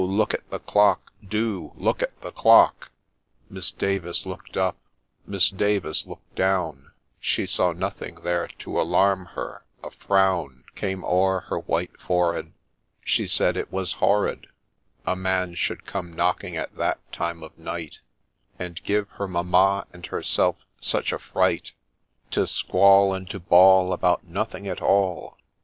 Look at the Clock !— Do !— Look at the Clock !!' Miss Davis look'd up, Miss Davis look'd down, She saw nothing there to alarm her ;— a frown Came o'er her white forehead, She said, ' It was horrid A man should come knocking at that time of night, And give her Mamma and herself such a fright ;— To squall and to bawl About nothing at all